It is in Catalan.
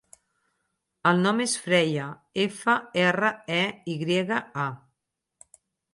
El nom és Freya: efa, erra, e, i grega, a.